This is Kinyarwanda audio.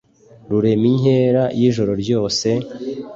rurema inkera y' ijoro ryose,